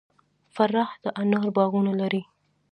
فراه د انارو باغونه لري